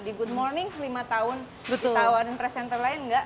di good morning lima tahun ditawarin presenter lain nggak